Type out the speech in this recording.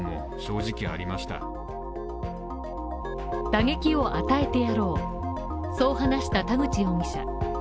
打撃を与えてやろうそう話した田口容疑者